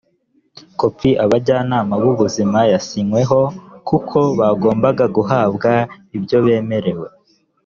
kopi abajyanama bu buzima yasinweho ko bagomba guhabwa ibyo bemerwe